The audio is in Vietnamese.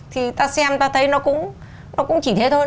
thì ta xem ta thấy nó cũng chỉ thế thôi